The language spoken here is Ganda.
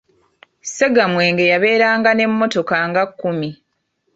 Ssegamwenge yabeeranga n'emmotoka nga kkumi.